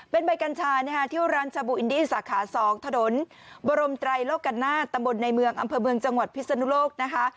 เป็นใบกัญชาที่ร้านชาบูอินดี้สาขา๒ถนนบรมไตรโลกันนาศตำบลในเมืองอำเภอเมืองจังหวัดพิศนุโลกนะคะ